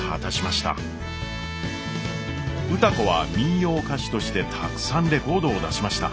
歌子は民謡歌手としてたくさんレコードを出しました。